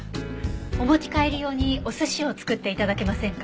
お持ち帰り用にお寿司を作って頂けませんか？